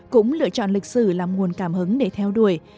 cũng lựa chọn lịch sử là nguồn cảm hứng để theo đuổi